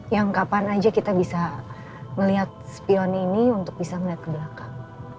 yang kapan aja kita bisa melihat spion ini untuk bisa melihat ke belakang